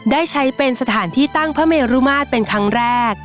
ได้ใช้เป็นสถานที่ตั้งพระเมรุมาตรเป็นครั้งแรก